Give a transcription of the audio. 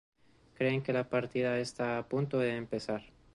Creen que la partida está a punto de empezar.